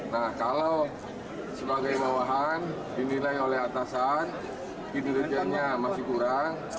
nah kalau sebagai bawahan dinilai oleh atasan kinerjanya masih kurang